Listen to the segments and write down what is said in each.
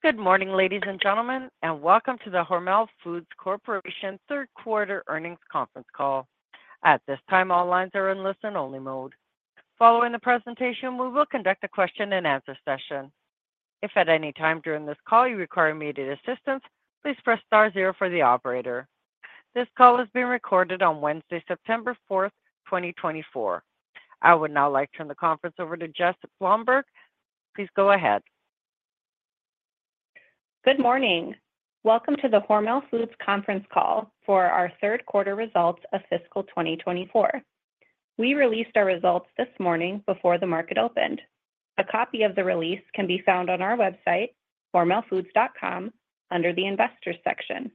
Good morning, ladies and gentlemen, and welcome to the Hormel Foods Corporation third quarter earnings conference call. At this time, all lines are in listen-only mode. Following the presentation, we will conduct a question-and-answer session. If at any time during this call you require immediate assistance, please press star zero for the operator. This call is being recorded on Wednesday, September fourth, twenty twenty-four. I would now like to turn the conference over to Jess Blomberg. Please go ahead. Good morning. Welcome to the Hormel Foods conference call for our third quarter results of fiscal twenty twenty-four. We released our results this morning before the market opened. A copy of the release can be found on our website, hormelfoods.com, under the Investors section.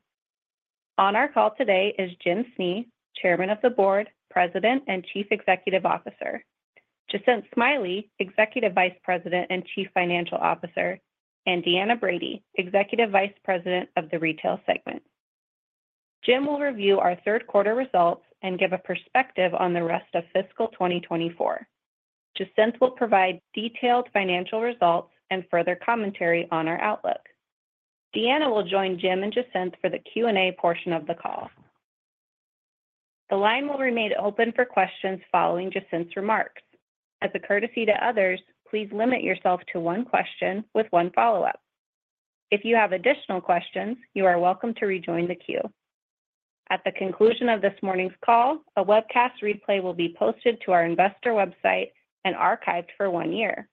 On our call today is Jim Snee, Chairman of the Board, President, and Chief Executive Officer, Jacinth Smiley, Executive Vice President and Chief Financial Officer, and Deanna Brady, Executive Vice President of the Retail segment. Jim will review our third quarter results and give a perspective on the rest of fiscal twenty twenty-four. Jacinth will provide detailed financial results and further commentary on our outlook. Deanna will join Jim and Jacinth for the Q&A portion of the call. The line will remain open for questions following Jacinth's remarks. As a courtesy to others, please limit yourself to one question with one follow-up. If you have additional questions, you are welcome to rejoin the queue. At the conclusion of this morning's call, a webcast replay will be posted to our investor website and archived for one year.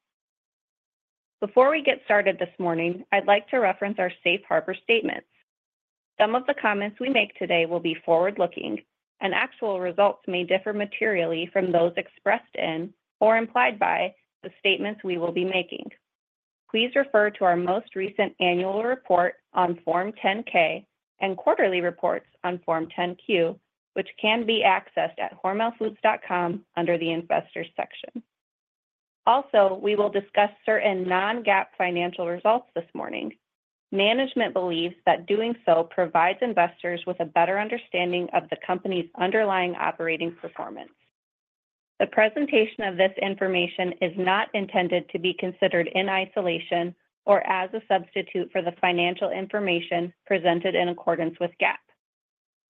Before we get started this morning, I'd like to reference our safe harbor statements. Some of the comments we make today will be forward-looking, and actual results may differ materially from those expressed in or implied by the statements we will be making. Please refer to our most recent annual report on Form 10-K and quarterly reports on Form 10-Q, which can be accessed at hormelfoods.com under the Investors section. Also, we will discuss certain non-GAAP financial results this morning. Management believes that doing so provides investors with a better understanding of the company's underlying operating performance. The presentation of this information is not intended to be considered in isolation or as a substitute for the financial information presented in accordance with GAAP.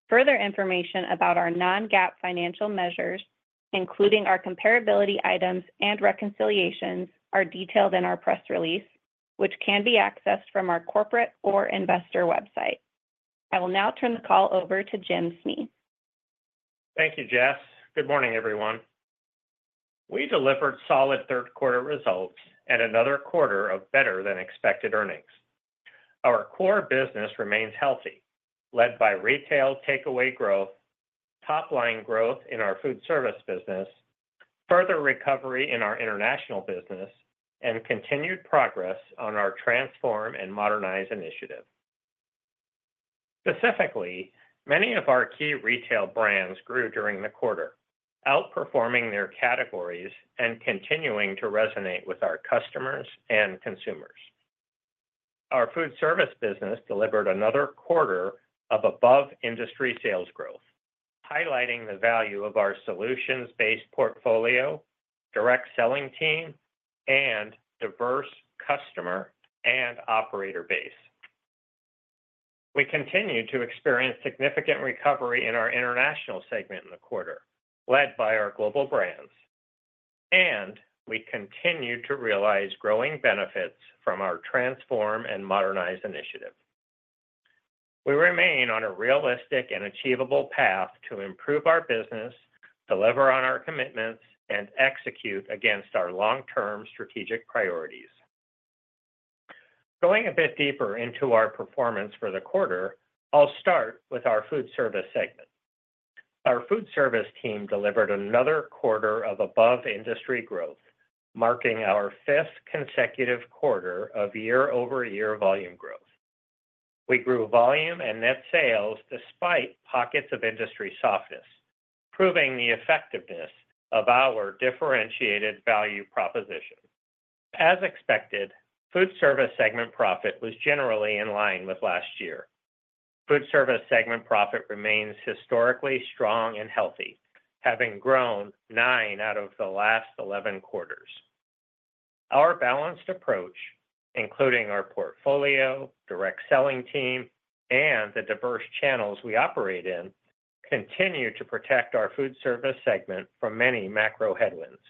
Further information about our non-GAAP financial measures, including our comparability items and reconciliations, are detailed in our press release, which can be accessed from our corporate or investor website. I will now turn the call over to Jim Snee. Thank you, Jess. Good morning, everyone. We delivered solid third quarter results and another quarter of better-than-expected earnings. Our core business remains healthy, led by retail takeaway growth, top-line growth in our food service business, further recovery in our international business, and continued progress on our Transform and Modernize initiative. Specifically, many of our key retail brands grew during the quarter, outperforming their categories and continuing to resonate with our customers and consumers. Our food service business delivered another quarter of above-industry sales growth, highlighting the value of our solutions-based portfolio, direct selling team, and diverse customer and operator base. We continue to experience significant recovery in our international segment in the quarter, led by our global brands, and we continue to realize growing benefits from our Transform and Modernize initiative. We remain on a realistic and achievable path to improve our business, deliver on our commitments, and execute against our long-term strategic priorities. Going a bit deeper into our performance for the quarter, I'll start with our food service segment. Our food service team delivered another quarter of above-industry growth, marking our fifth consecutive quarter of year-over-year volume growth. We grew volume and net sales despite pockets of industry softness, proving the effectiveness of our differentiated value proposition. As expected, food service segment profit was generally in line with last year. Food service segment profit remains historically strong and healthy, having grown nine out of the last 11 quarters. Our balanced approach, including our portfolio, direct selling team, and the diverse channels we operate in, continue to protect our food service segment from many macro headwinds.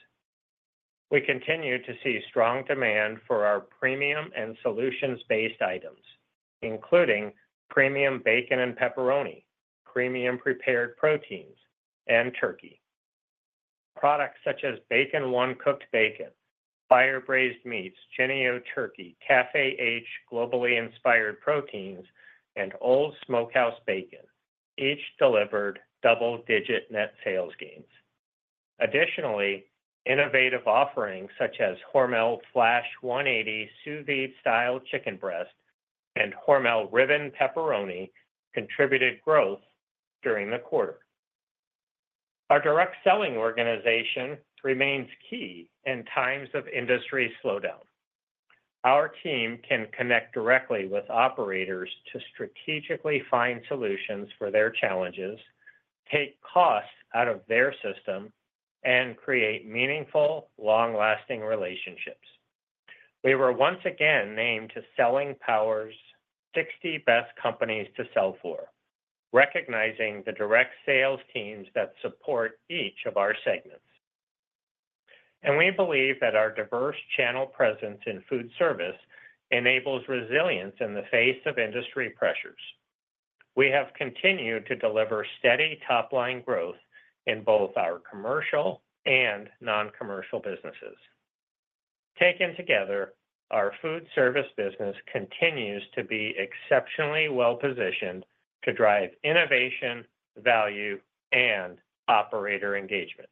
We continue to see strong demand for our premium and solutions-based items, including premium bacon and pepperoni, premium prepared proteins, and turkey. Products such as Bacon 1 cooked bacon, Fire Braised Meats, Jennie-O Turkey, Café H Globally Inspired Proteins, and Old Smokehouse Bacon each delivered double-digit net sales gains. Additionally, innovative offerings such as Hormel Flash 180 Sous Vide Style Chicken Breast and Hormel Ribbon Pepperoni contributed growth during the quarter. Our direct selling organization remains key in times of industry slowdown. Our team can connect directly with operators to strategically find solutions for their challenges, take costs out of their system and create meaningful, long-lasting relationships. We were once again named to Selling Power's 60 Best Companies to Sell For, recognizing the direct sales teams that support each of our segments. And we believe that our diverse channel presence in food service enables resilience in the face of industry pressures. We have continued to deliver steady top-line growth in both our commercial and non-commercial businesses. Taken together, our food service business continues to be exceptionally well-positioned to drive innovation, value, and operator engagement.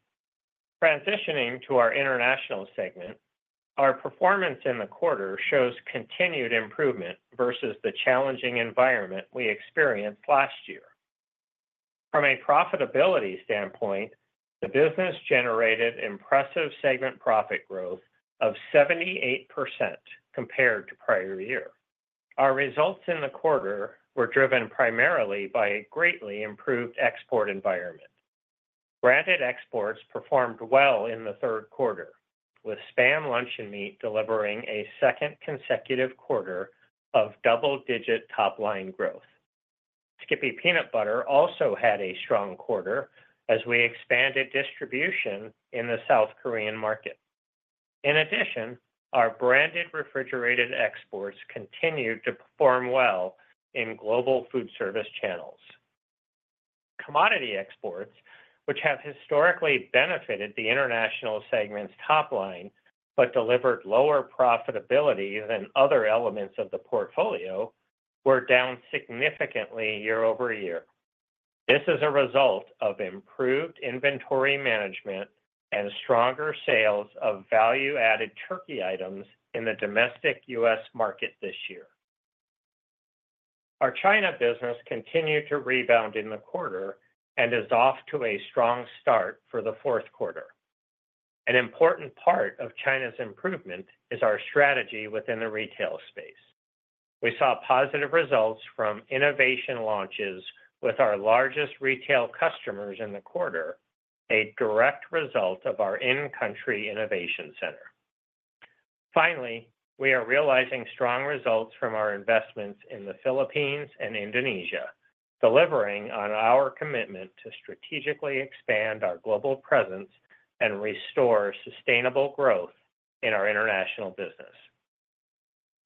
Transitioning to our international segment, our performance in the quarter shows continued improvement versus the challenging environment we experienced last year. From a profitability standpoint, the business generated impressive segment profit growth of 78% compared to prior year. Our results in the quarter were driven primarily by a greatly improved export environment. Branded exports performed well in the third quarter, with SPAM luncheon meat delivering a second consecutive quarter of double-digit top-line growth. Skippy Peanut Butter also had a strong quarter as we expanded distribution in the South Korean market. In addition, our branded refrigerated exports continued to perform well in global food service channels. Commodity exports, which have historically benefited the international segment's top line, but delivered lower profitability than other elements of the portfolio, were down significantly year over year. This is a result of improved inventory management and stronger sales of value-added turkey items in the domestic U.S. market this year. Our China business continued to rebound in the quarter and is off to a strong start for the fourth quarter. An important part of China's improvement is our strategy within the retail space. We saw positive results from innovation launches with our largest retail customers in the quarter, a direct result of our in-country innovation center. Finally, we are realizing strong results from our investments in the Philippines and Indonesia, delivering on our commitment to strategically expand our global presence and restore sustainable growth in our international business.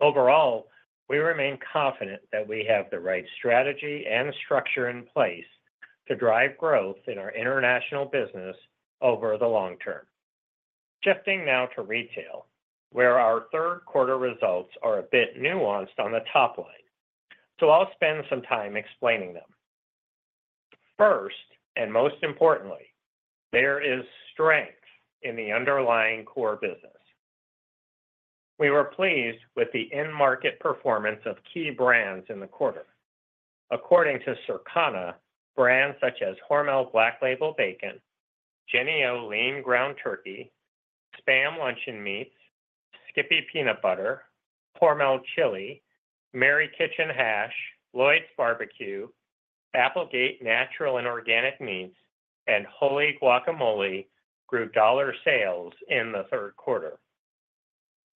Overall, we remain confident that we have the right strategy and structure in place to drive growth in our international business over the long term. Shifting now to retail, where our third quarter results are a bit nuanced on the top line, so I'll spend some time explaining them. First, and most importantly, there is strength in the underlying core business. We were pleased with the end market performance of key brands in the quarter. According to Circana, brands such as Hormel Black Label Bacon, Jennie-O Lean Ground Turkey, SPAM luncheon meats, Skippy Peanut Butter, Hormel Chili, Mary Kitchen Hash, Lloyd's Barbeque, Applegate Natural and Organic Meats, and Wholly Guacamole grew dollar sales in the third quarter.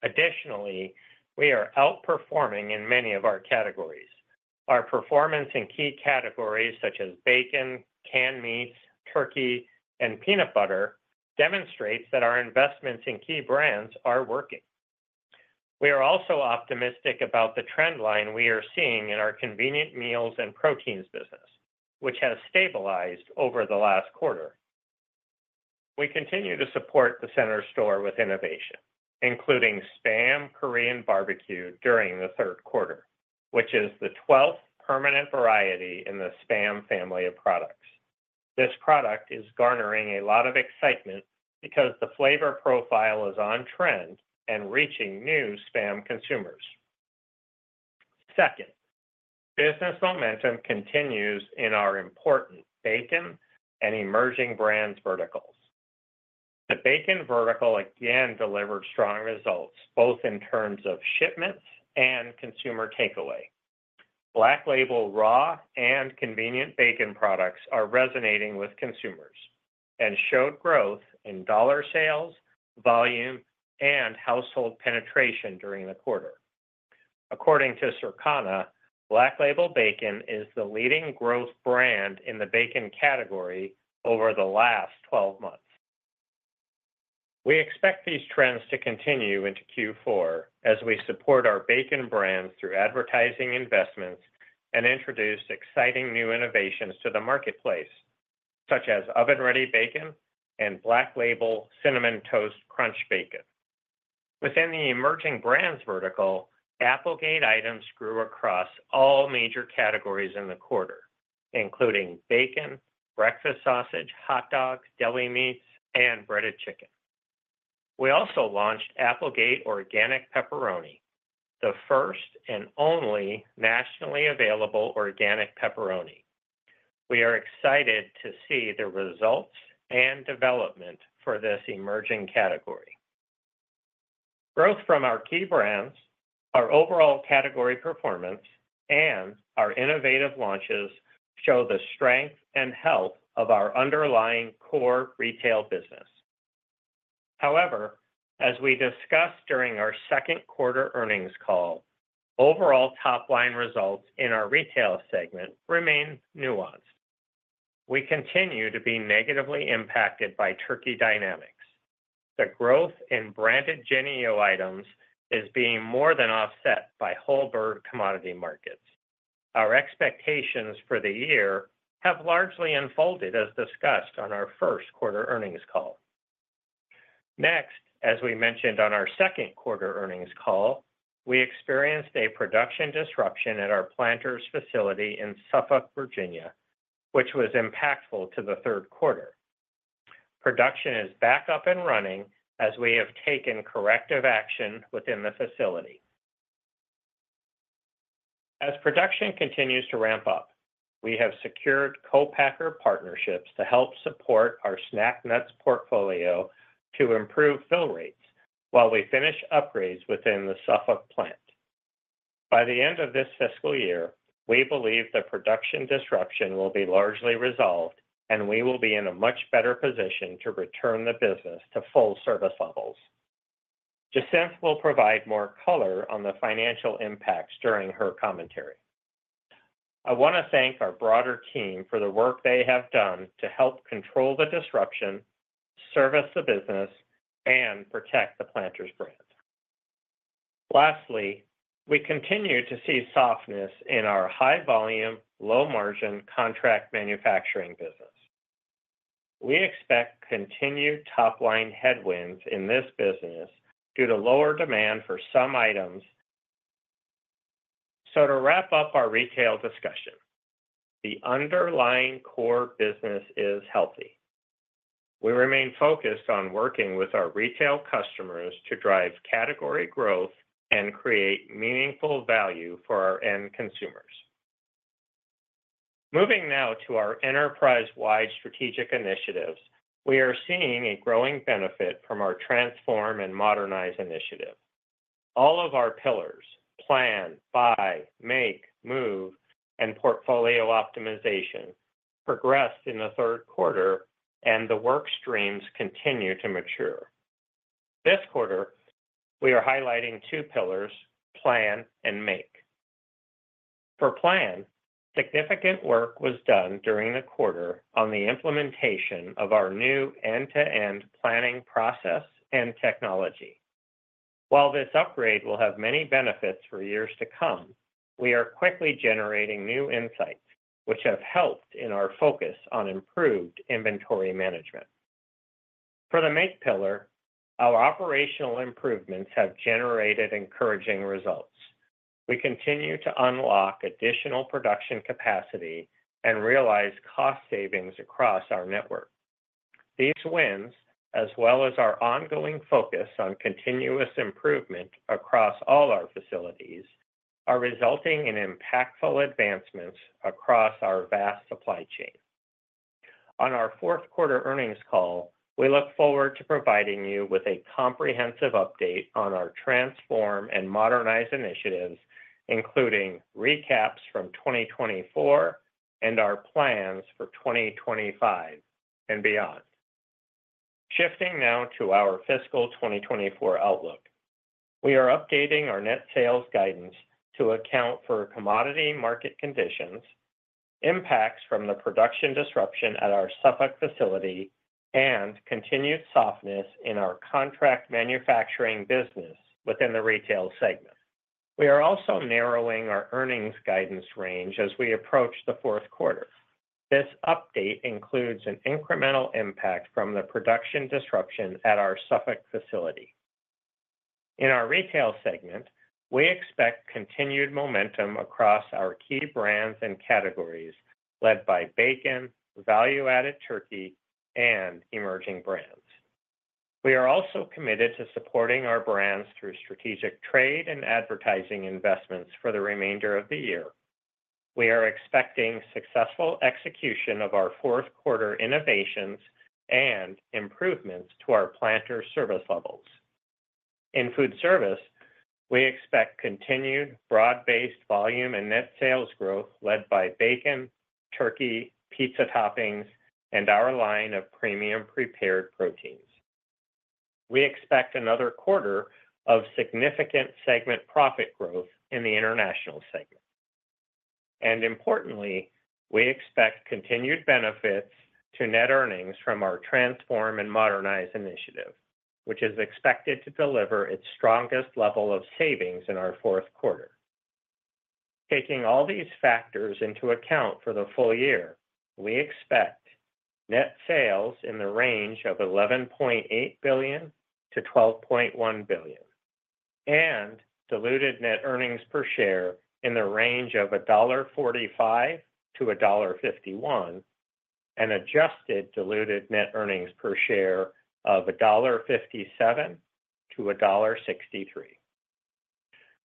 Additionally, we are outperforming in many of our categories. Our performance in key categories such as bacon, canned meats, turkey, and peanut butter demonstrates that our investments in key brands are working. We are also optimistic about the trend line we are seeing in our convenient meals and proteins business, which has stabilized over the last quarter. We continue to support the center store with innovation, including SPAM Korean Barbecue during the third quarter, which is the twelfth permanent variety in the SPAM family of products. This product is garnering a lot of excitement because the flavor profile is on trend and reaching new SPAM consumers. Second, business momentum continues in our important bacon and emerging brands verticals. The bacon vertical again delivered strong results, both in terms of shipments and consumer takeaway. Black Label raw and convenient bacon products are resonating with consumers and showed growth in dollar sales, volume, and household penetration during the quarter. According to Circana, Black Label Bacon is the leading growth brand in the bacon category over the last twelve months. We expect these trends to continue into Q4 as we support our bacon brands through advertising investments and introduce exciting new innovations to the marketplace, such as oven-ready bacon and Black Label Cinnamon Toast Crunch bacon. Within the emerging brands vertical, Applegate items grew across all major categories in the quarter, including bacon, breakfast sausage, hot dogs, deli meats, and breaded chicken. We also launched Applegate Organic Pepperoni, the first and only nationally available organic pepperoni. We are excited to see the results and development for this emerging category... Growth from our key brands, our overall category performance, and our innovative launches show the strength and health of our underlying core retail business. However, as we discussed during our second quarter earnings call, overall top-line results in our retail segment remain nuanced. We continue to be negatively impacted by turkey dynamics. The growth in branded Jennie-O items is being more than offset by whole bird commodity markets. Our expectations for the year have largely unfolded, as discussed on our first quarter earnings call. Next, as we mentioned on our second quarter earnings call, we experienced a production disruption at our Planters facility in Suffolk, Virginia, which was impactful to the third quarter. Production is back up and running as we have taken corrective action within the facility. As production continues to ramp up, we have secured co-packer partnerships to help support our snack nuts portfolio to improve fill rates while we finish upgrades within the Suffolk plant. By the end of this fiscal year, we believe the production disruption will be largely resolved, and we will be in a much better position to return the business to full service levels. Jacinth will provide more color on the financial impacts during her commentary. I want to thank our broader team for the work they have done to help control the disruption, service the business, and protect the Planters brand. Lastly, we continue to see softness in our high-volume, low-margin contract manufacturing business. We expect continued top-line headwinds in this business due to lower demand for some items. So to wrap up our retail discussion, the underlying core business is healthy. We remain focused on working with our retail customers to drive category growth and create meaningful value for our end consumers. Moving now to our enterprise-wide strategic initiatives, we are seeing a growing benefit from our Transform and Modernize initiative. All of our pillars: Plan, Buy, Make, Move, and Portfolio Optimization, progressed in the third quarter, and the work streams continue to mature. This quarter, we are highlighting two pillars: Plan and Make. For Plan, significant work was done during the quarter on the implementation of our new end-to-end planning process and technology. While this upgrade will have many benefits for years to come, we are quickly generating new insights, which have helped in our focus on improved inventory management. For the Make pillar, our operational improvements have generated encouraging results. We continue to unlock additional production capacity and realize cost savings across our network. These wins, as well as our ongoing focus on continuous improvement across all our facilities, are resulting in impactful advancements across our vast supply chain. On our fourth quarter earnings call, we look forward to providing you with a comprehensive update on our Transform and Modernize initiatives, including recaps from 2024 and our plans for 2025 and beyond. Shifting now to our fiscal 2024 outlook. We are updating our net sales guidance to account for commodity market conditions, impacts from the production disruption at our Suffolk facility, and continued softness in our contract manufacturing business within the retail segment. We are also narrowing our earnings guidance range as we approach the fourth quarter. This update includes an incremental impact from the production disruption at our Suffolk facility. In our retail segment, we expect continued momentum across our key brands and categories, led by bacon, value-added turkey, and emerging brands. We are also committed to supporting our brands through strategic trade and advertising investments for the remainder of the year. We are expecting successful execution of our fourth quarter innovations and improvements to our Planters service levels. In food service, we expect continued broad-based volume and net sales growth led by bacon, turkey, pizza toppings, and our line of premium prepared proteins. We expect another quarter of significant segment profit growth in the international segment, and importantly, we expect continued benefits to net earnings from our Transform and Modernize initiative, which is expected to deliver its strongest level of savings in our fourth quarter. Taking all these factors into account for the full year, we expect net sales in the range of $11.8 billion-$12.1 billion, and diluted net earnings per share in the range of $1.45-$1.51, and adjusted diluted net earnings per share of $1.57-$1.63.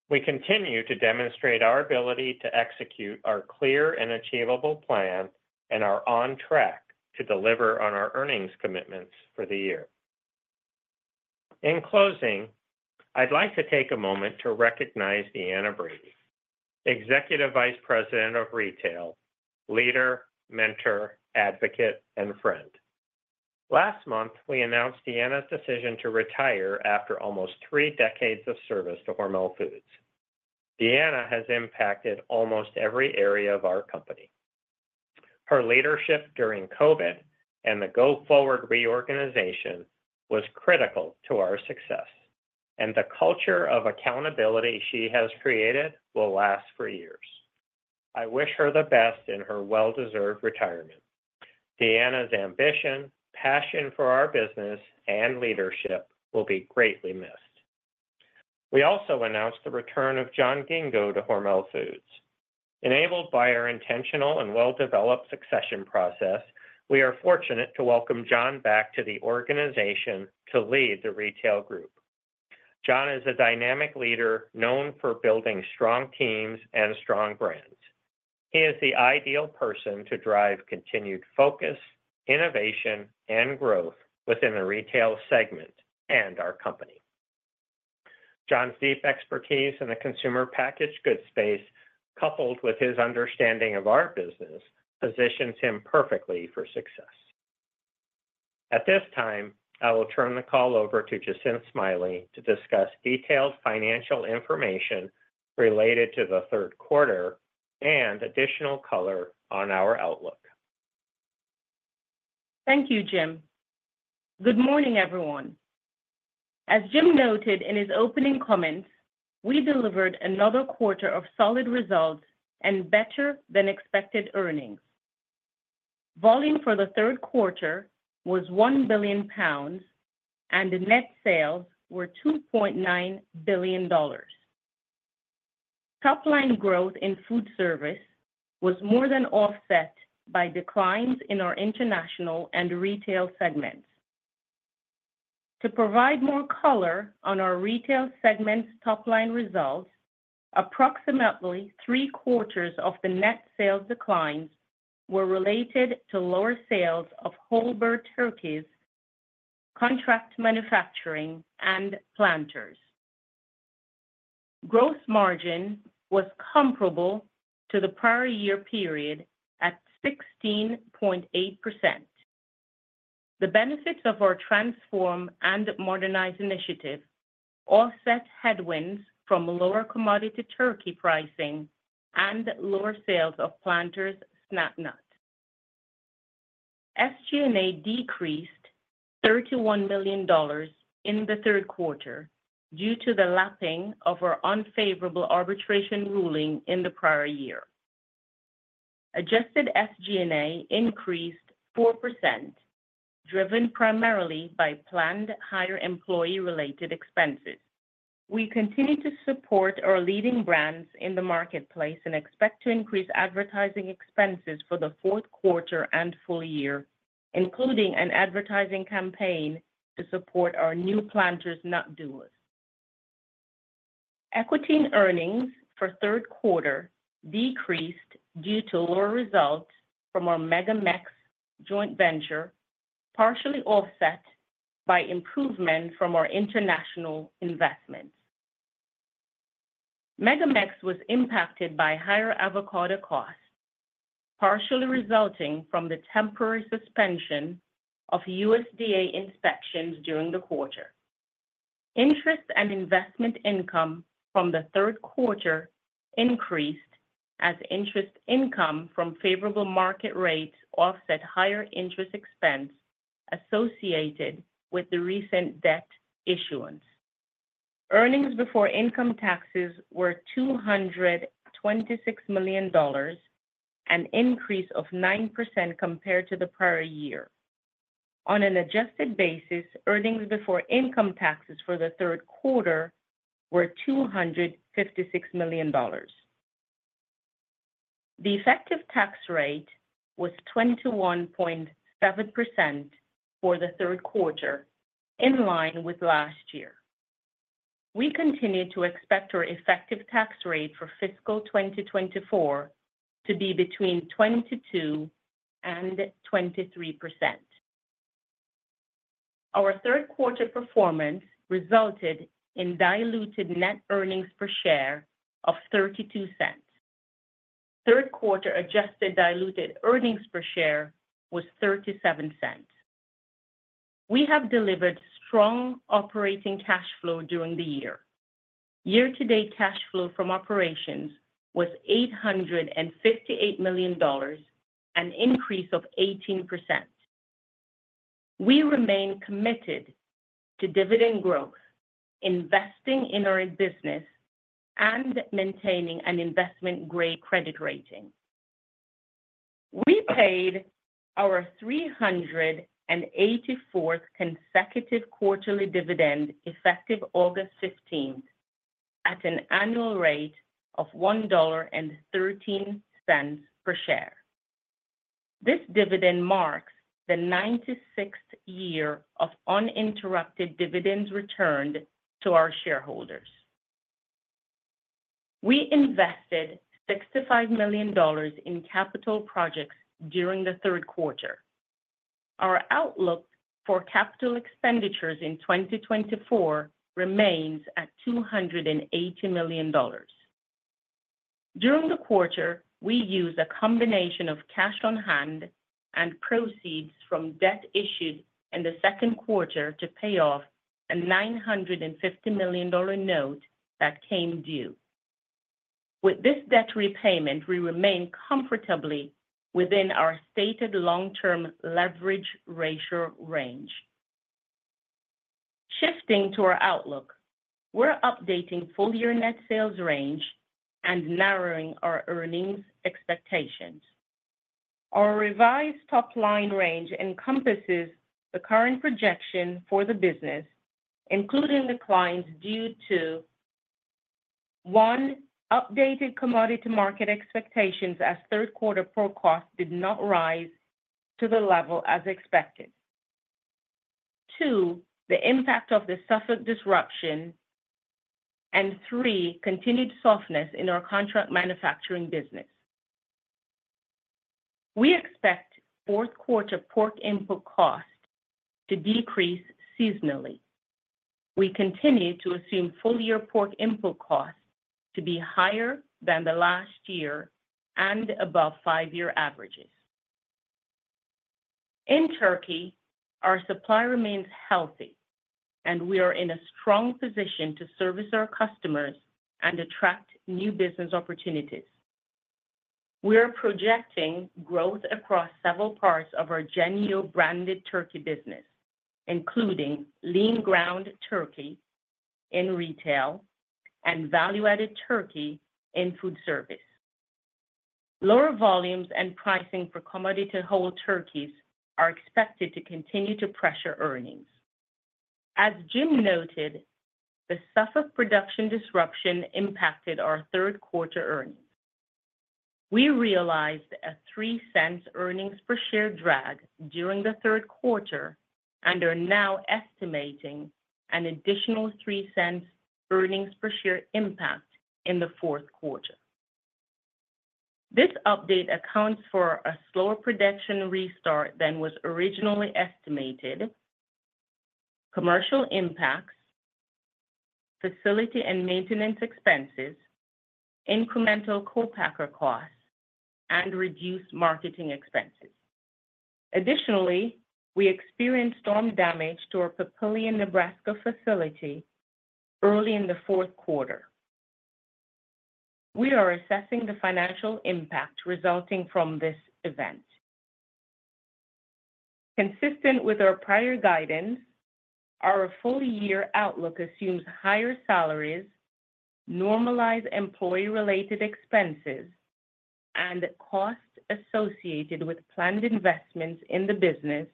We continue to demonstrate our ability to execute our clear and achievable plan, and are on track to deliver on our earnings commitments for the year. In closing, I'd like to take a moment to recognize Deanna Brady, Executive Vice President of Retail, leader, mentor, advocate, and friend. Last month, we announced Deanna's decision to retire after almost three decades of service to Hormel Foods. Deanna has impacted almost every area of our company. Her leadership during COVID and the Go Forward reorganization was critical to our success, and the culture of accountability she has created will last for years. I wish her the best in her well-deserved retirement. Deanna's ambition, passion for our business, and leadership will be greatly missed. We also announced the return of John Ghingo to Hormel Foods. Enabled by our intentional and well-developed succession process, we are fortunate to welcome John back to the organization to lead the retail group. John is a dynamic leader, known for building strong teams and strong brands. He is the ideal person to drive continued focus, innovation, and growth within the retail segment and our company. John's deep expertise in the consumer packaged goods space, coupled with his understanding of our business, positions him perfectly for success. At this time, I will turn the call over to Jacinth Smiley to discuss detailed financial information related to the third quarter and additional color on our outlook. Thank you, Jim. Good morning, everyone. As Jim noted in his opening comments, we delivered another quarter of solid results and better-than-expected earnings. Volume for the third quarter was 1 billion pounds, and the net sales were $2.9 billion. Top-line growth in food service was more than offset by declines in our international and retail segments. To provide more color on our retail segment's top-line results, approximately three-quarters of the net sales declines were related to lower sales of WholeBird turkeys, contract manufacturing, and Planters. Gross margin was comparable to the prior year period at 16.8%. The benefits of our Transform and Modernize initiative offset headwinds from lower commodity turkey pricing and lower sales of Planters SnapNut. SG&A decreased $31 million in the third quarter due to the lapping of our unfavorable arbitration ruling in the prior year. Adjusted SG&A increased 4%, driven primarily by planned higher employee-related expenses. We continue to support our leading brands in the marketplace and expect to increase advertising expenses for the fourth quarter and full year, including an advertising campaign to support our new Planters Nut Duos. Equity and earnings for third quarter decreased due to lower results from our MegaMex joint venture, partially offset by improvement from our international investments. MegaMex was impacted by higher avocado costs, partially resulting from the temporary suspension of USDA inspections during the quarter. Interest and investment income from the third quarter increased as interest income from favorable market rates offset higher interest expense associated with the recent debt issuance. Earnings before income taxes were $226 million, an increase of 9% compared to the prior year. On an adjusted basis, earnings before income taxes for the third quarter were $256 million. The effective tax rate was 21.7% for the third quarter, in line with last year. We continue to expect our effective tax rate for fiscal 2024 to be between 22% and 23%. Our third quarter performance resulted in diluted net earnings per share of $0.32. Third quarter adjusted diluted earnings per share was $0.37. We have delivered strong operating cash flow during the year. Year-to-date cash flow from operations was $858 million, an increase of 18%. We remain committed to dividend growth, investing in our business, and maintaining an investment-grade credit rating. We paid our 384th consecutive quarterly dividend, effective August fifteenth, at an annual rate of $1.13 per share. This dividend marks the ninety-sixth year of uninterrupted dividends returned to our shareholders. We invested $65 million in capital projects during the third quarter. Our outlook for capital expenditures in 2024 remains at $280 million. During the quarter, we used a combination of cash on hand and proceeds from debt issued in the second quarter to pay off a $950 million note that came due. With this debt repayment, we remain comfortably within our stated long-term leverage ratio range. Shifting to our outlook, we're updating full-year net sales range and narrowing our earnings expectations. Our revised top-line range encompasses the current projection for the business, including declines due to, one, updated commodity market expectations as third quarter pork costs did not rise to the level as expected. Two, the impact of the Suffolk disruption, and three, continued softness in our contract manufacturing business. We expect fourth quarter pork input costs to decrease seasonally. We continue to assume full-year pork input costs to be higher than the last year and above five-year averages. In turkey, our supply remains healthy, and we are in a strong position to service our customers and attract new business opportunities. We are projecting growth across several parts of our Jennie-O branded turkey business, including lean ground turkey in retail and value-added turkey in food service. Lower volumes and pricing for commodity whole turkeys are expected to continue to pressure earnings. As Jim noted, the Suffolk production disruption impacted our third quarter earnings. We realized a $0.03 earnings per share drag during the third quarter and are now estimating an additional $0.03 earnings per share impact in the fourth quarter. This update accounts for a slower production restart than was originally estimated, commercial impacts, facility and maintenance expenses, incremental co-packer costs, and reduced marketing expenses. Additionally, we experienced storm damage to our Papillion, Nebraska facility early in the fourth quarter. We are assessing the financial impact resulting from this event. Consistent with our prior guidance, our full-year outlook assumes higher salaries, normalized employee-related expenses, and costs associated with planned investments in the business,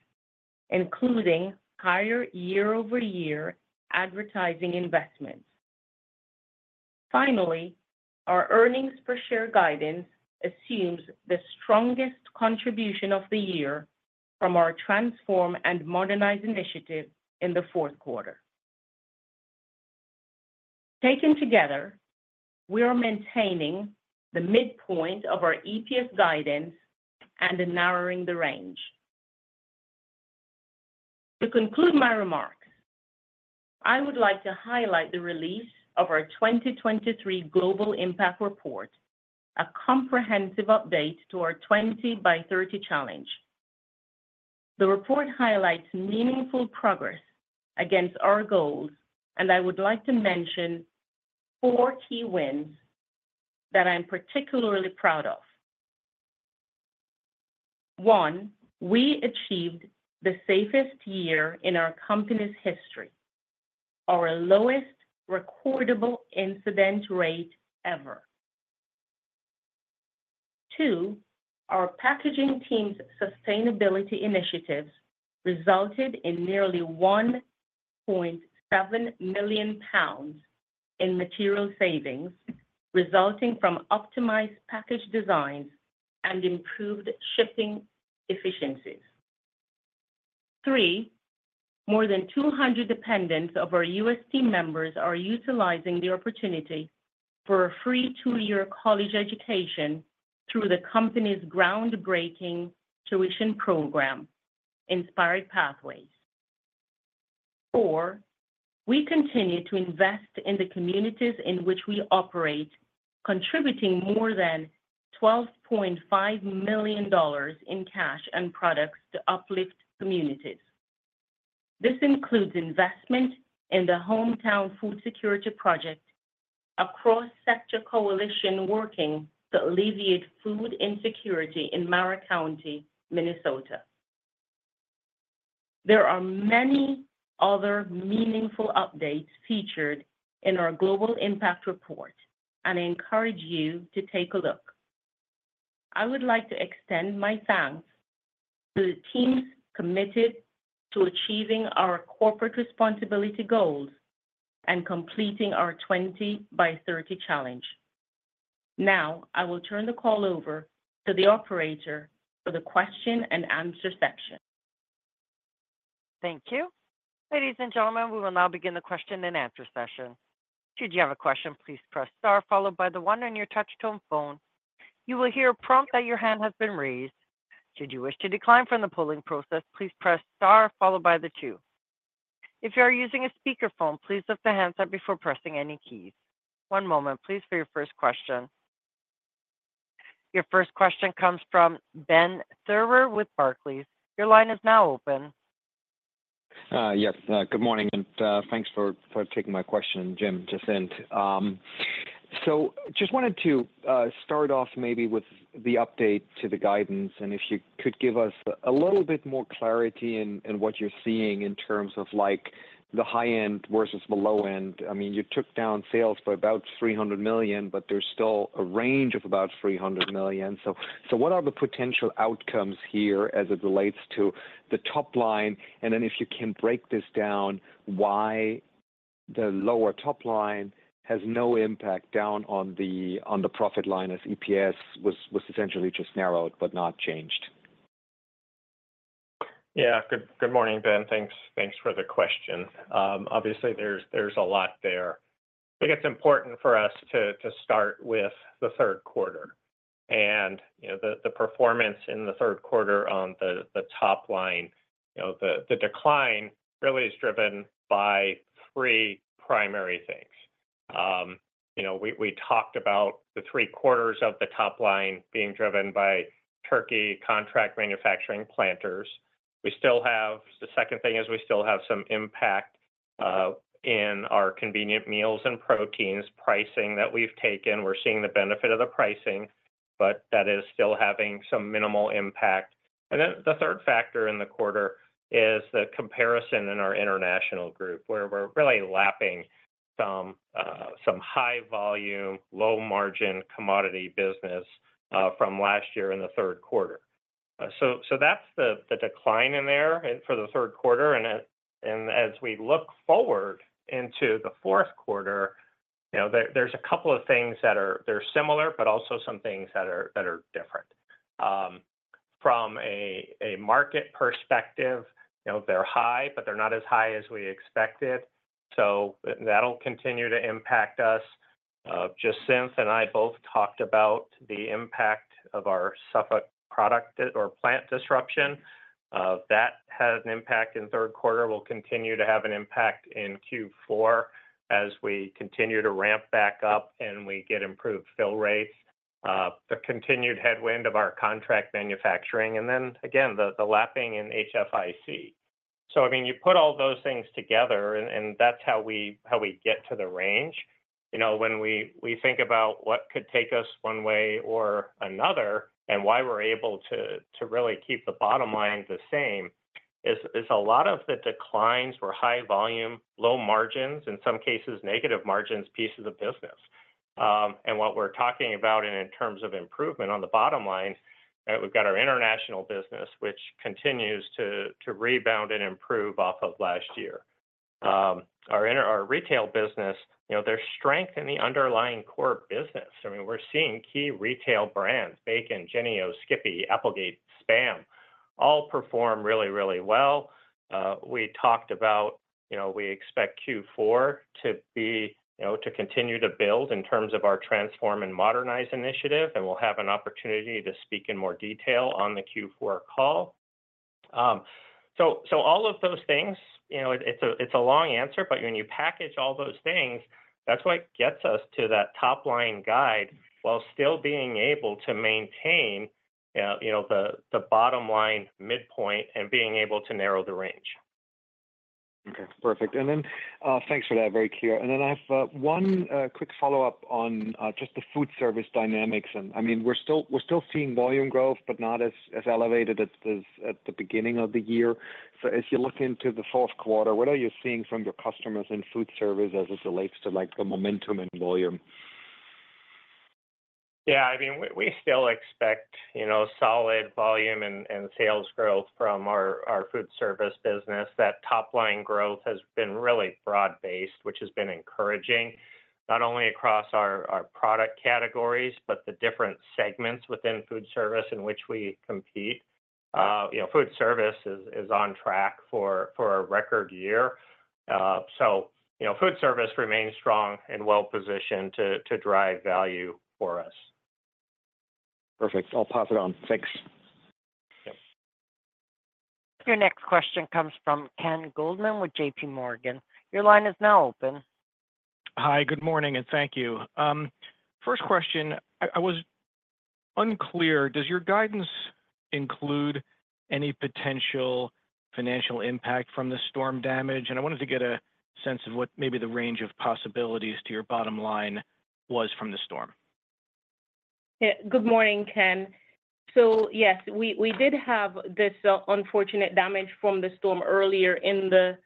including higher year-over-year advertising investments. Finally, our earnings per share guidance assumes the strongest contribution of the year from our Transform and Modernize initiative in the fourth quarter. Taken together, we are maintaining the midpoint of our EPS guidance and narrowing the range. To conclude my remarks, I would like to highlight the release of our twenty twenty-three Global Impact Report, a comprehensive update to our 20 by 30 challenge. The report highlights meaningful progress against our goals, and I would like to mention four key wins that I'm particularly proud of. One, we achieved the safest year in our company's history, our lowest recordable incident rate ever. Two, our packaging team's sustainability initiatives resulted in nearly 1.7 million lbs in material savings, resulting from optimized package designs and improved shipping efficiencies. Three, more than 200 dependents of our U.S. team members are utilizing the opportunity for a free two-year college education through the company's groundbreaking tuition program, Inspired Pathways. Four, we continue to invest in the communities in which we operate, contributing more than $12.5 million in cash and products to uplift communities. This includes investment in the Hometown Food Security Project, a cross-sector coalition working to alleviate food insecurity in Mower County, Minnesota. There are many other meaningful updates featured in our Global Impact Report, and I encourage you to take a look. I would like to extend my thanks to the teams committed to achieving our corporate responsibility goals.... and completing our 20 By 30 Challenge. Now, I will turn the call over to the operator for the question-and-answer section. Thank you. Ladies and gentlemen, we will now begin the question-and-answer session. Should you have a question, please press star followed by the one on your touchtone phone. You will hear a prompt that your hand has been raised. Should you wish to decline from the polling process, please press star followed by the two. If you are using a speakerphone, please lift the handset before pressing any keys. One moment, please, for your first question. Your first question comes from Ben Theurer with Barclays. Your line is now open. Yes, good morning, and thanks for taking my question, Jim Snee. So just wanted to start off maybe with the update to the guidance, and if you could give us a little bit more clarity in what you're seeing in terms of, like, the high end versus the low end. I mean, you took down sales by about $300 million, but there's still a range of about $300 million. So what are the potential outcomes here as it relates to the top line? And then if you can break this down, why the lower top line has no impact down on the profit line, as EPS was essentially just narrowed but not changed? Yeah. Good morning, Ben. Thanks for the question. Obviously, there's a lot there. I think it's important for us to start with the third quarter. You know, the performance in the third quarter on the top line, you know, the decline really is driven by three primary things. You know, we talked about the three quarters of the top line being driven by turkey contract manufacturing Planters. We still have some impact in our convenient meals and proteins pricing that we've taken. We're seeing the benefit of the pricing, but that is still having some minimal impact. Then the third factor in the quarter is the comparison in our international group, where we're really lapping some high volume, low margin commodity business from last year in the third quarter. So that's the decline in there and for the third quarter, and as we look forward into the fourth quarter, you know, there's a couple of things that are similar, but also some things that are different. From a market perspective, you know, they're high, but they're not as high as we expected, so that'll continue to impact us. Just since Deanna and I both talked about the impact of our Suffolk plant disruption, that had an impact in third quarter, will continue to have an impact in Q4 as we continue to ramp back up and we get improved fill rates, the continued headwind of our contract manufacturing, and then again, the lapping in HFIC. So, I mean, you put all those things together, and that's how we get to the range. You know, when we think about what could take us one way or another and why we're able to really keep the bottom line the same, is a lot of the declines were high volume, low margins, in some cases, negative margins, pieces of business. And what we're talking about in terms of improvement on the bottom line, we've got our international business, which continues to rebound and improve off of last year. Our retail business, you know, there's strength in the underlying core business. I mean, we're seeing key retail brands, Bacon, Jennie-O, Skippy, Applegate, Spam, all perform really, really well. We talked about, you know, we expect Q4 to be, you know, to continue to build in terms of our Transform and Modernize initiative, and we'll have an opportunity to speak in more detail on the Q4 call. So all of those things, you know, it's a long answer, but when you package all those things, that's what gets us to that top-line guide, while still being able to maintain, you know, the bottom line midpoint and being able to narrow the range. Okay, perfect. And then, thanks for that. Very clear. And then I have one quick follow-up on just the food service dynamics. And I mean, we're still seeing volume growth, but not as elevated as at the beginning of the year. So as you look into the fourth quarter, what are you seeing from your customers in food service as it relates to, like, the momentum and volume? Yeah, I mean, we still expect, you know, solid volume and sales growth from our food service business. That top-line growth has been really broad-based, which has been encouraging, not only across our product categories, but the different segments within food service in which we compete. You know, food service is on track for a record year. So, you know, food service remains strong and well positioned to drive value for us. Perfect. I'll pass it on. Thanks. Yep. Your next question comes from Ken Goldman with J.P. Morgan. Your line is now open. Hi, good morning, and thank you. First question, I was unclear. Does your guidance include any potential financial impact from the storm damage? And I wanted to get a sense of what maybe the range of possibilities to your bottom line was from the storm. Yeah, good morning, Ken. So, yes, we did have this unfortunate damage from the storm earlier in the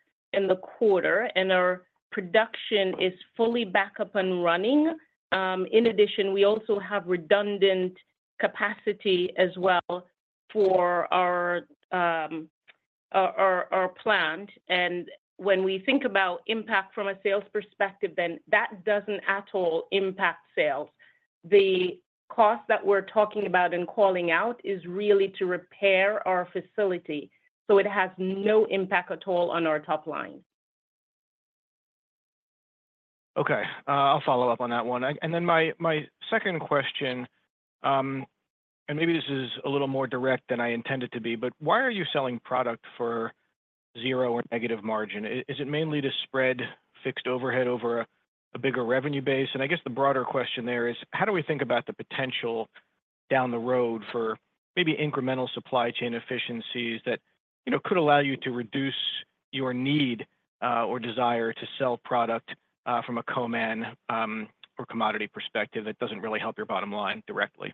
quarter, and our production is fully back up and running. In addition, we also have redundant capacity as well.... for our plant. And when we think about impact from a sales perspective, then that doesn't at all impact sales. The cost that we're talking about and calling out is really to repair our facility, so it has no impact at all on our top line. Okay, I'll follow up on that one. And then my second question, and maybe this is a little more direct than I intend it to be, but why are you selling product for zero or negative margin? Is it mainly to spread fixed overhead over a bigger revenue base? And I guess the broader question there is, how do we think about the potential down the road for maybe incremental supply chain efficiencies that, you know, could allow you to reduce your need or desire to sell product from a co-man or commodity perspective that doesn't really help your bottom line directly?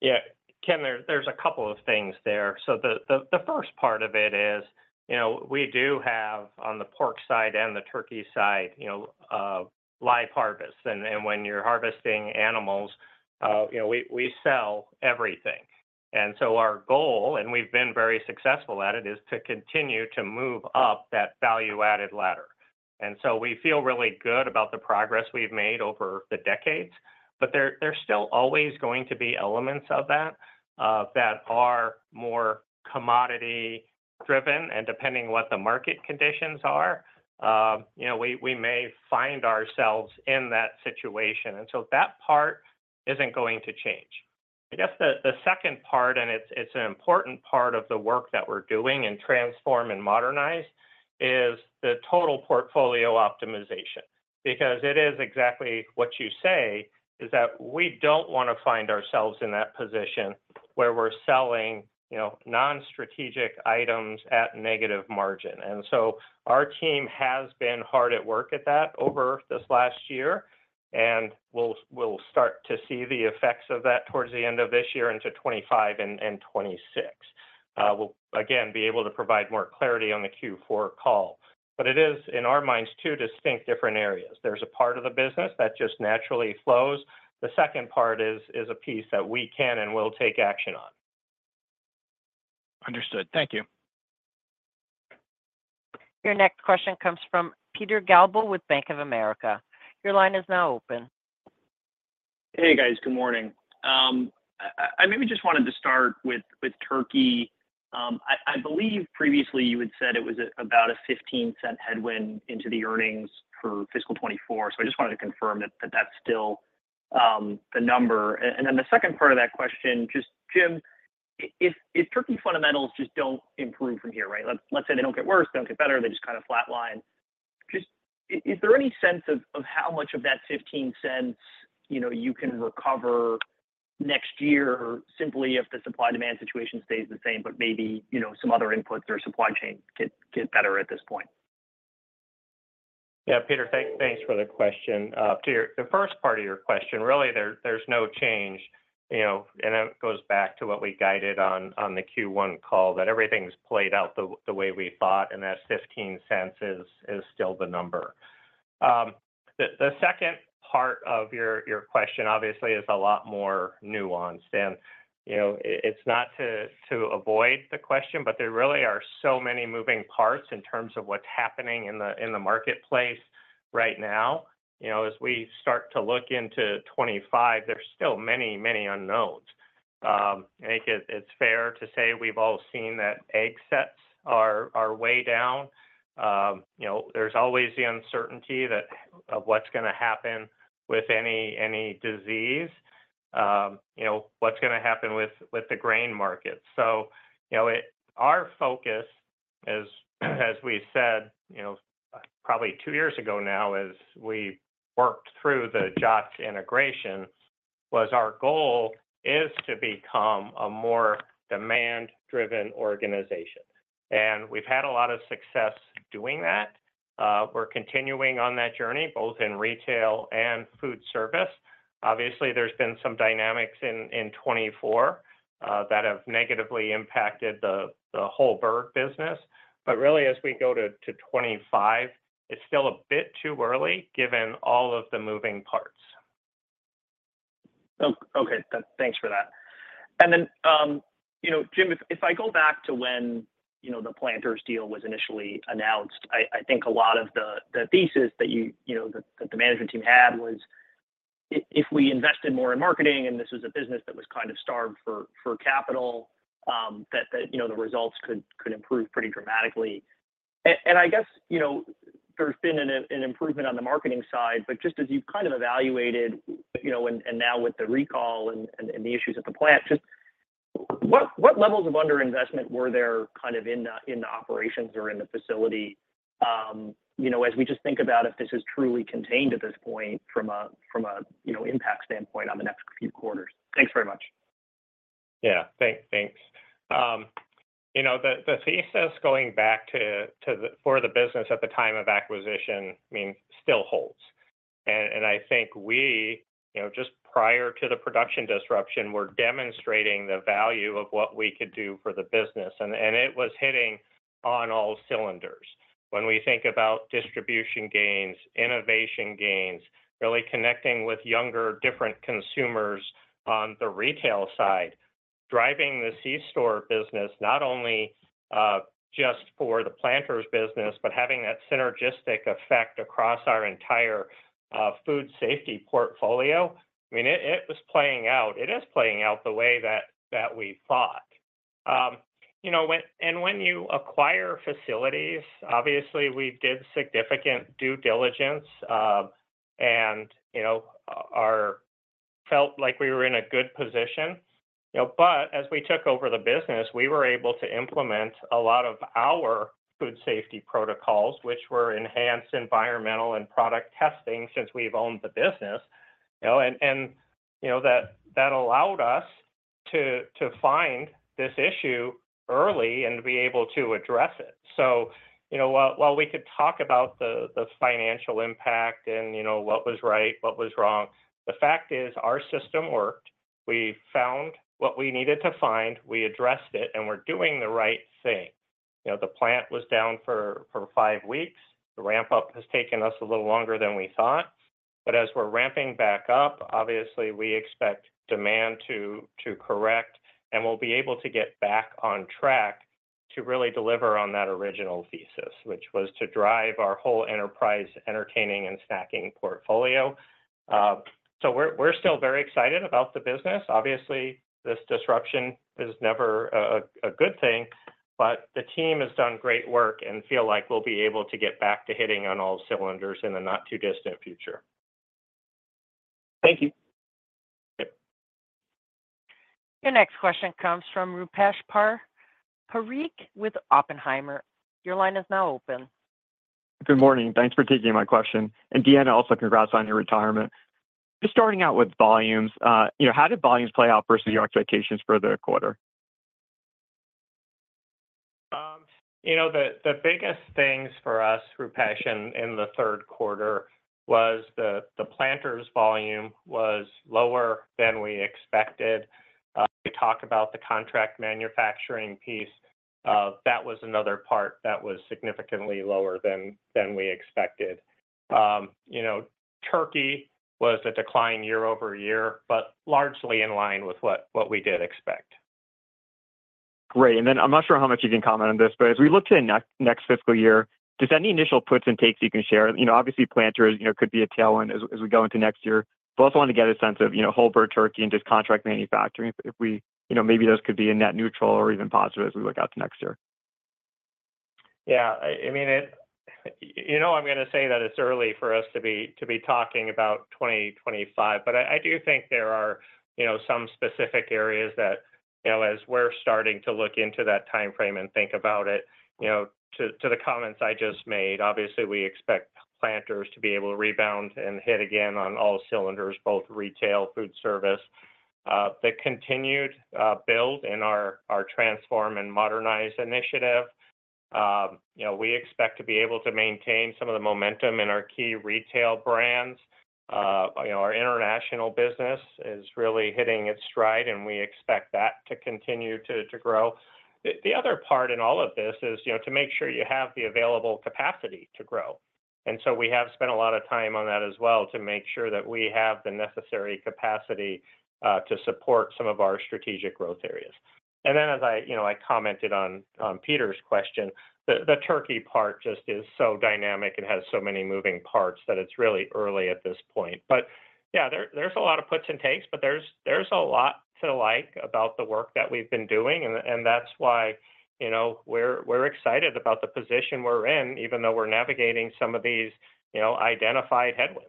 Yeah, Ken, there's a couple of things there. So the first part of it is, you know, we do have, on the pork side and the turkey side, you know, live harvest. And when you're harvesting animals, you know, we sell everything. And so our goal, and we've been very successful at it, is to continue to move up that value-added ladder. And so we feel really good about the progress we've made over the decades, but there's still always going to be elements of that that are more commodity-driven, and depending what the market conditions are, you know, we may find ourselves in that situation, and so that part isn't going to change. I guess the second part, and it's an important part of the work that we're doing in Transform and Modernize, is the total Portfolio Optimization. Because it is exactly what you say, is that we don't wanna find ourselves in that position where we're selling, you know, non-strategic items at negative margin. And so our team has been hard at work at that over this last year, and we'll start to see the effects of that towards the end of this year into 2025 and 2026. We'll again be able to provide more clarity on the Q4 call. But it is, in our minds, two distinct different areas. There's a part of the business that just naturally flows. The second part is a piece that we can and will take action on. Understood. Thank you. Your next question comes from Peter Galbo with Bank of America. Your line is now open. Hey, guys. Good morning. I maybe just wanted to start with turkey. I believe previously you had said it was about a $0.15 headwind into the earnings for fiscal 2024, so I just wanted to confirm that that's still the number. And then the second part of that question, just, Jim, if turkey fundamentals just don't improve from here, right? Let's say they don't get worse, don't get better, they just kinda flatline, is there any sense of how much of that $0.15 you know, you can recover next year simply if the supply-demand situation stays the same, but maybe, you know, some other inputs or supply chain get better at this point? Yeah, Peter, thanks for the question. To the first part of your question, really, there's no change, you know, and it goes back to what we guided on, on the Q1 call, that everything's played out the way we thought, and that $0.15 is still the number. The second part of your question obviously is a lot more nuanced. And, you know, it's not to avoid the question, but there really are so many moving parts in terms of what's happening in the marketplace right now. You know, as we start to look into 2025, there's still many, many unknowns. I think it's fair to say we've all seen that egg sets are way down. You know, there's always the uncertainty that of what's gonna happen with any disease. You know, what's gonna happen with the grain market? So, you know, our focus, as we said, you know, probably two years ago now, as we worked through the Jots integration, was our goal is to become a more demand-driven organization, and we've had a lot of success doing that. We're continuing on that journey, both in retail and food service. Obviously, there's been some dynamics in 2024 that have negatively impacted the whole bird business. But really, as we go to 2025, it's still a bit too early, given all of the moving parts. Okay, thanks for that, and then, you know, Jim, if I go back to when, you know, the Planters deal was initially announced, I think a lot of the thesis that you know, that the management team had was if we invested more in marketing, and this was a business that was kind of starved for capital, that you know, the results could improve pretty dramatically. And I guess, you know, there's been an improvement on the marketing side, but just as you've kind of evaluated, you know, and now with the recall and the issues at the plant, just what levels of underinvestment were there, kind of in the operations or in the facility, you know, as we just think about if this is truly contained at this point, from an impact standpoint on the next few quarters? Thanks very much. Yeah. Thanks. You know, the thesis going back to for the business at the time of acquisition, I mean, still holds. I think we, you know, just prior to the production disruption, we're demonstrating the value of what we could do for the business, and it was firing on all cylinders. When we think about distribution gains, innovation gains, really connecting with younger, different consumers on the retail side, driving the C store business, not only just for the Planters business, but having that synergistic effect across our entire snacking portfolio. I mean, it was playing out. It is playing out the way that we thought. You know, when you acquire facilities, obviously, we did significant due diligence, and we felt like we were in a good position. You know, but as we took over the business, we were able to implement a lot of our food safety protocols, which were enhanced environmental and product testing since we've owned the business. You know, and you know, that allowed us to find this issue early and be able to address it. So, you know, while we could talk about the financial impact and, you know, what was right, what was wrong, the fact is, our system worked. We found what we needed to find, we addressed it, and we're doing the right thing. You know, the plant was down for five weeks. The ramp-up has taken us a little longer than we thought, but as we're ramping back up, obviously, we expect demand to correct, and we'll be able to get back on track to really deliver on that original thesis, which was to drive our whole enterprise, entertaining and snacking portfolio. So we're still very excited about the business. Obviously, this disruption is never a good thing, but the team has done great work and feel like we'll be able to get back to hitting on all cylinders in the not too distant future. Thank you. Your next question comes from Rupesh Parikh with Oppenheimer. Your line is now open. Good morning. Thanks for taking my question, and Deanna, also congrats on your retirement. Just starting out with volumes, you know, how did volumes play out versus your expectations for the quarter? You know, the biggest things for us, Rupesh, in the third quarter was the Planters volume was lower than we expected. We talked about the contract manufacturing piece, that was another part that was significantly lower than we expected. You know, turkey was a decline year over year, but largely in line with what we did expect. Great. And then I'm not sure how much you can comment on this, but as we look to the next, next fiscal year, just any initial puts and takes you can share. You know, obviously, Planters, you know, could be a tailwind as, as we go into next year. But also wanted to get a sense of, you know, whole bird turkey and just contract manufacturing, if we, you know, maybe those could be a net neutral or even positive as we look out to next year. Yeah, I mean, it, you know, I'm gonna say that it's early for us to be talking about twenty twenty-five, but I do think there are, you know, some specific areas that, you know, as we're starting to look into that timeframe and think about it, you know, to the comments I just made, obviously, we expect Planters to be able to rebound and hit again on all cylinders, both retail, food service. The continued build in our Transform and Modernize initiative. You know, we expect to be able to maintain some of the momentum in our key retail brands. You know, our international business is really hitting its stride, and we expect that to continue to grow. The other part in all of this is, you know, to make sure you have the available capacity to grow. And so we have spent a lot of time on that as well to make sure that we have the necessary capacity to support some of our strategic growth areas. And then, as I, you know, I commented on Peter's question, the turkey part just is so dynamic and has so many moving parts that it's really early at this point. But yeah, there's a lot of puts and takes, but there's a lot to like about the work that we've been doing, and that's why, you know, we're excited about the position we're in, even though we're navigating some of these, you know, identified headwinds.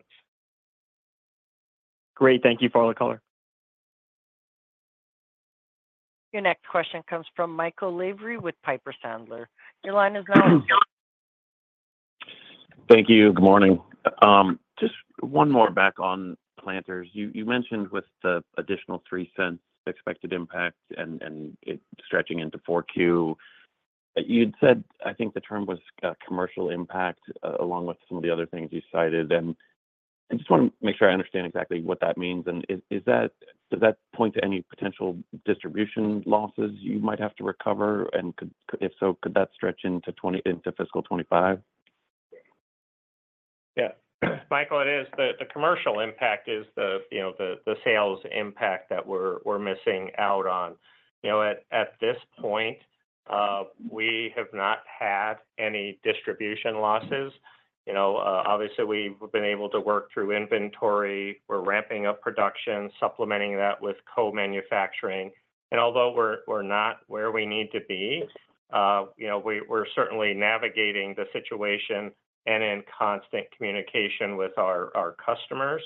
Great. Thank you for all the color. Your next question comes from Michael Lavery with Piper Sandler. Your line is now open. Thank you. Good morning. Just one more back on Planters. You mentioned with the additional $0.03 expected impact and it stretching into Q4. You'd said, I think the term was, commercial impact, along with some of the other things you cited, and I just wanna make sure I understand exactly what that means. And does that point to any potential distribution losses you might have to recover? And could, if so, could that stretch into fiscal 2025? Yeah. Michael, it is. The commercial impact is, you know, the sales impact that we're missing out on. You know, at this point, we have not had any distribution losses. You know, obviously, we've been able to work through inventory. We're ramping up production, supplementing that with co-manufacturing. And although we're not where we need to be, you know, we're certainly navigating the situation and in constant communication with our customers.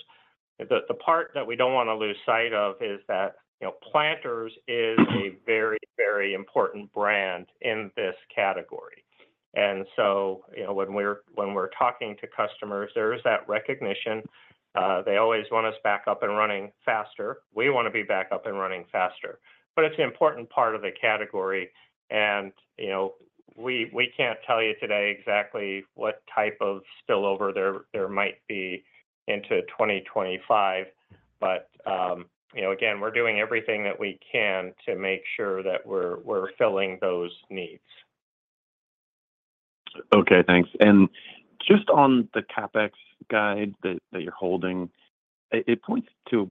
The part that we don't wanna lose sight of is that, you know, Planters is a very important brand in this category. And so, you know, when we're talking to customers, there is that recognition. They always want us back up and running faster. We wanna be back up and running faster, but it's an important part of the category, and, you know, we can't tell you today exactly what type of spillover there might be into twenty twenty-five. But, you know, again, we're doing everything that we can to make sure that we're filling those needs. Okay, thanks. And just on the CapEx guide that you're holding, it points to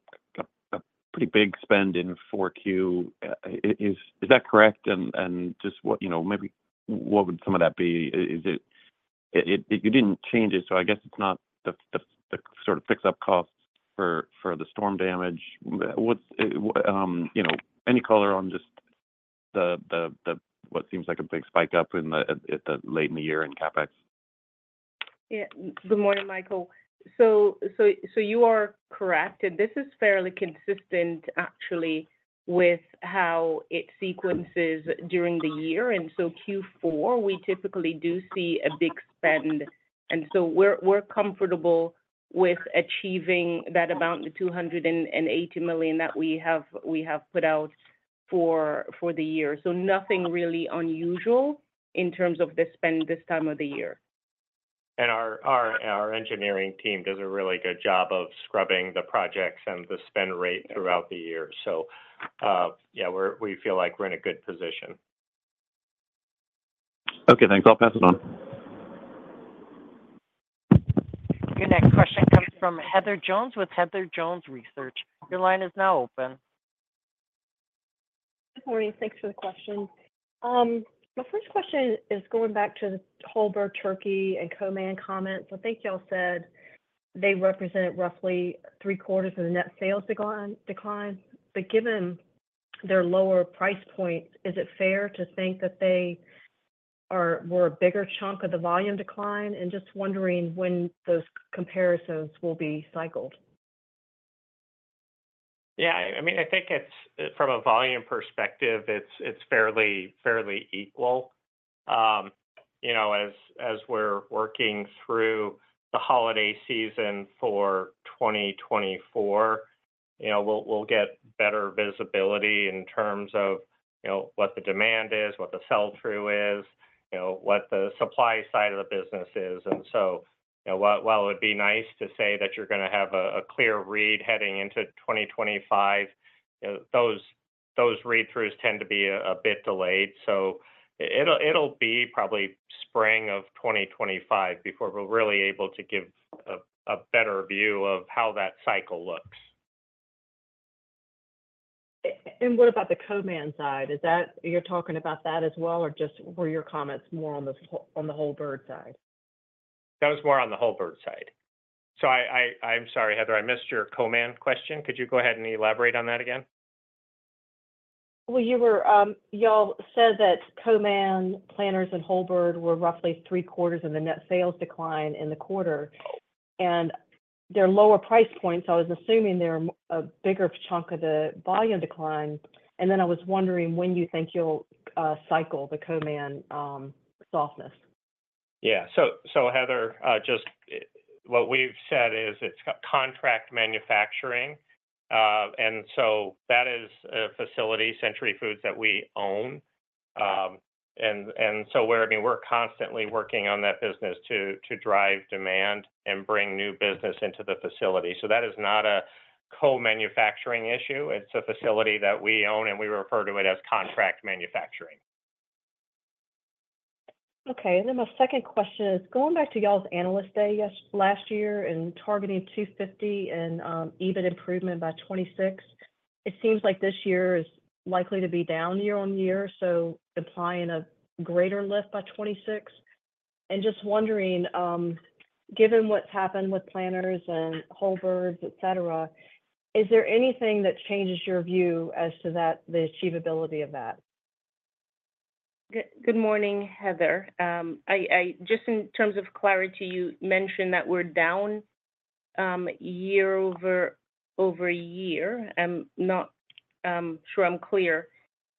a pretty big spend in Q4. Is that correct? And just what, you know, maybe what would some of that be? You didn't change it, so I guess it's not the sort of fix-up costs for the storm damage. What's, you know, any color on just the what seems like a big spike up late in the year in CapEx? Yeah. Good morning, Michael, so you are correct, and this is fairly consistent actually with how it sequences during the year, and so Q4, we typically do see a big spend, and so we're comfortable with achieving that amount, the $280 million that we have put out for the year, so nothing really unusual in terms of the spend this time of the year. Our engineering team does a really good job of scrubbing the projects and the spend rate throughout the year. So, yeah, we feel like we're in a good position. Okay, thanks. I'll pass it on. Your next question comes from Heather Jones with Heather Jones Research. Your line is now open. Good morning. Thanks for the question. My first question is going back to the whole bird, turkey, and commodity comments. I think y'all said they represented roughly three-quarters of the net sales decline. But given their lower price points, is it fair to think that they were a bigger chunk of the volume decline? And just wondering when those comparisons will be cycled. Yeah, I mean, I think it's from a volume perspective, it's fairly equal. You know, as we're working through the holiday season for twenty twenty-four, you know, we'll get better visibility in terms of, you know, what the demand is, what the sell-through is, you know, what the supply side of the business is. And so, you know, while it would be nice to say that you're gonna have a clear read heading into twenty twenty-five, you know, those read-throughs tend to be a bit delayed. So it'll be probably spring of twenty twenty-five before we're really able to give a better view of how that cycle looks. And what about the Coman side? Is that... You're talking about that as well, or just were your comments more on the Hormel side? That was more on the whole bird side. So I'm sorry, Heather, I missed your common question. Could you go ahead and elaborate on that again? You were, Y'all said that SPAM, Planters and Hormel were roughly three-quarters of the net sales decline in the quarter, and they're lower price points, so I was assuming they're a bigger chunk of the volume decline. Then I was wondering when you think you'll cycle the SPAM softness. Yeah. So, Heather, just what we've said is it's contract manufacturing, and so that is a facility, Century Foods, that we own. And so we're, I mean, we're constantly working on that business to drive demand and bring new business into the facility. So that is not a co-manufacturing issue. It's a facility that we own, and we refer to it as contract manufacturing. Okay. And then my second question is, going back to y'all's Analyst Day yes, last year and targeting 250 and EBIT improvement by 2026, it seems like this year is likely to be down year on year, so implying a greater lift by 2026. And just wondering, given what's happened with Planters and whole birds, et cetera, is there anything that changes your view as to that, the achievability of that? Good morning, Heather. Just in terms of clarity, you mentioned that we're down year over year. I'm not sure I'm clear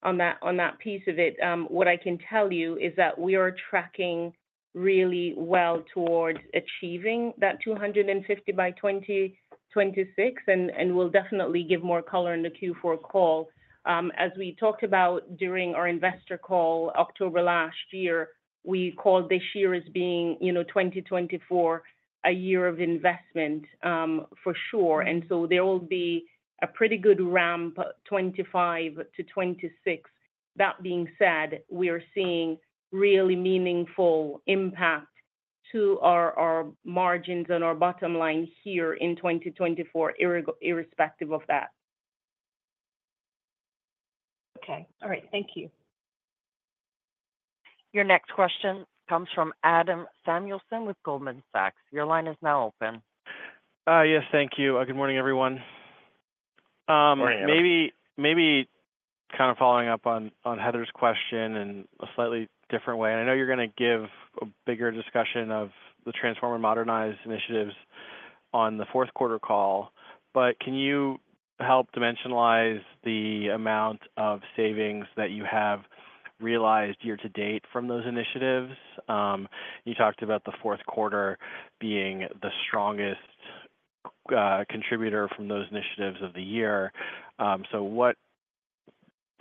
on that piece of it. What I can tell you is that we are tracking really well towards achieving that 250 by 2026, and we'll definitely give more color in the Q4 call. As we talked about during our investor call October last year, we called this year as being, you know, 2024, a year of investment for sure, and so there will be a pretty good ramp, 2025 to 2026. That being said, we are seeing really meaningful impact to our margins and our bottom line here in 2024, irrespective of that. Okay. All right. Thank you. Your next question comes from Adam Samuelson with Goldman Sachs. Your line is now open. Yes, thank you. Good morning, everyone. Good morning, Adam. Maybe kind of following up on Heather's question in a slightly different way, and I know you're gonna give a bigger discussion of the Transform and Modernize initiatives on the fourth quarter call, but can you help dimensionalize the amount of savings that you have realized year to date from those initiatives? You talked about the fourth quarter being the strongest contributor from those initiatives of the year. So what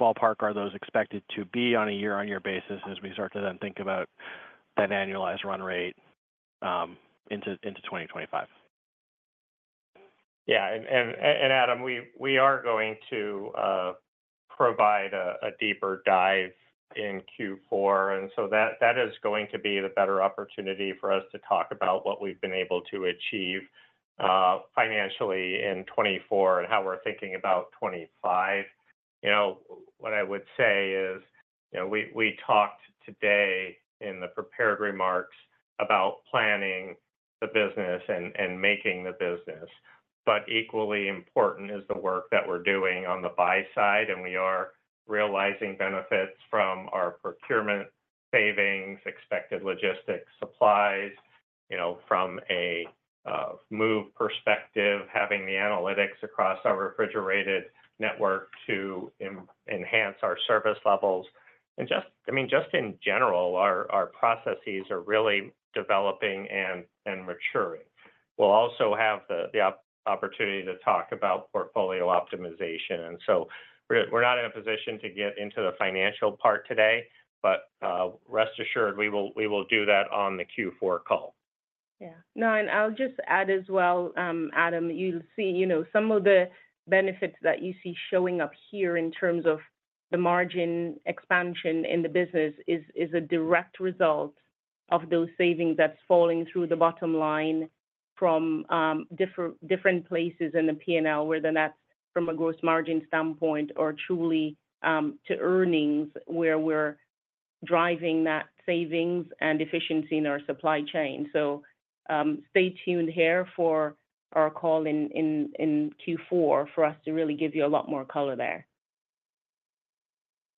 ballpark are those expected to be on a year-on-year basis as we start to then think about that annualized run rate into 2025? Yeah, and Adam, we are going to provide a deeper dive in Q4, and so that is going to be the better opportunity for us to talk about what we've been able to achieve financially in 2024 and how we're thinking about 2025. You know, what I would say is, you know, we talked today in the prepared remarks about planning the business and making the business. But equally important is the work that we're doing on the buy side, and we are realizing benefits from our procurement savings, expected logistics, supplies, you know, from a move perspective, having the analytics across our refrigerated network to enhance our service levels. And just, I mean, just in general, our processes are really developing and maturing. We'll also have the opportunity to talk about portfolio optimization, and so we're not in a position to get into the financial part today, but rest assured, we will do that on the Q4 call. Yeah. No, and I'll just add as well, Adam, you'll see, you know, some of the benefits that you see showing up here in terms of the margin expansion in the business is a direct result of those savings that's falling through the bottom line from different places in the P&L, whether that's from a gross margin standpoint or truly to earnings, where we're driving that savings and efficiency in our supply chain. So, stay tuned here for our call in Q4 for us to really give you a lot more color there.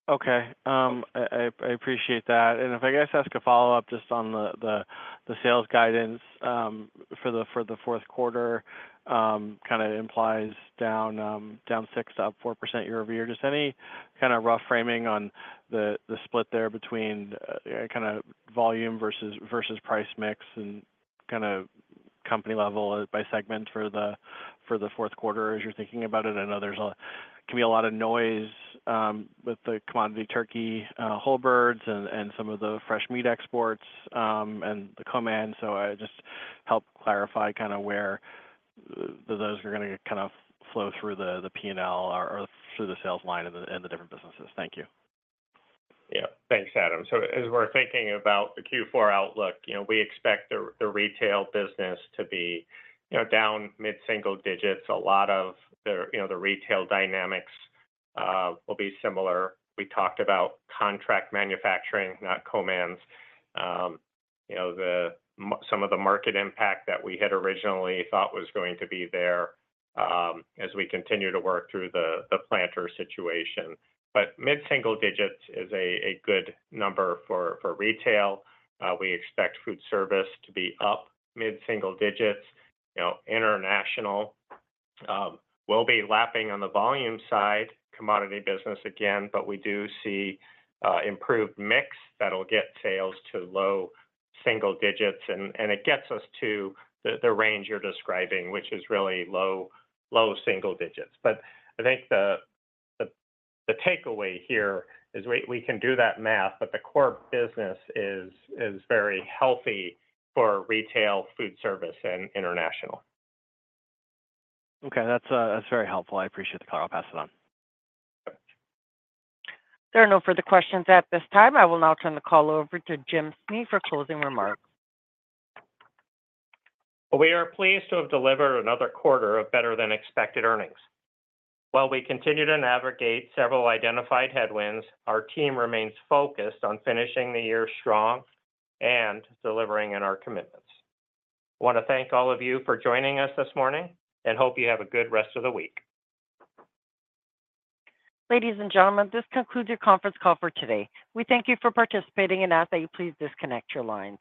Okay. I appreciate that. And if I could ask a follow-up just on the sales guidance for the fourth quarter, kind of implies down 6% to up 4% year over year. Just any kind of rough framing on the split there between kind of volume versus price mix and kind of company level by segment for the fourth quarter as you're thinking about it? I know there can be a lot of noise with the commodity turkey whole birds and some of the fresh meat exports and the demand. So just help clarify kind of where those are gonna kind of flow through the P&L or through the sales line in the different businesses. Thank you. Yeah. Thanks, Adam. So as we're thinking about the Q4 outlook, you know, we expect the retail business to be, you know, down mid-single digits. A lot of the, you know, the retail dynamics will be similar. We talked about contract manufacturing, not commands. You know, some of the market impact that we had originally thought was going to be there as we continue to work through the Planters situation. But mid-single digits is a good number for retail. We expect food service to be up mid-single digits. You know, international will be lapping on the volume side, commodity business again, but we do see improved mix that'll get sales to low single digits, and it gets us to the range you're describing, which is really low single digits. But I think the takeaway here is we can do that math, but the core business is very healthy for retail, food service, and international. Okay. That's, that's very helpful. I appreciate the call. I'll pass it on. Okay. There are no further questions at this time. I will now turn the call over to Jim Snee for closing remarks. We are pleased to have delivered another quarter of better-than-expected earnings. While we continue to navigate several identified headwinds, our team remains focused on finishing the year strong and delivering in our commitments. I wanna thank all of you for joining us this morning, and hope you have a good rest of the week. Ladies and gentlemen, this concludes your conference call for today. We thank you for participating and ask that you please disconnect your lines.